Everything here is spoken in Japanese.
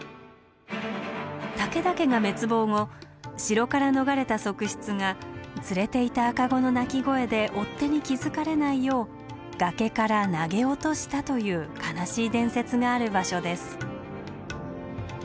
武田家が滅亡後城から逃れた側室が連れていた赤子の泣き声で追っ手に気付かれないよう崖から投げ落としたという悲しい伝説がある場所です。